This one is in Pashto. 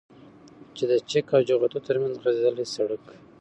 چې د چك او جغتو ترمنځ غځېدلى سړك